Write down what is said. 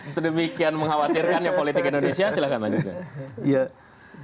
sedemikian mengkhawatirkan ya politik indonesia silahkan lanjutkan